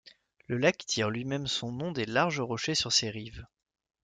Le lac tire lui-même son nom des larges rochers sur ses rives.